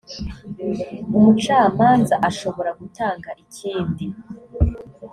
umucamanza ashobora gutanga ikindi